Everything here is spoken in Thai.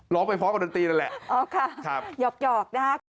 ร้องไปพอกับดนตรีนั่นแหละอ๋อค่ะครับหยอกหยอกนะฮะ